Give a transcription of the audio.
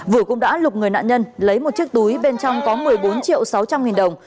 vũ cũng đã lục người nạn nhân lấy một chiếc túi bên trong có một mươi bốn triệu sáu trăm linh nghìn đồng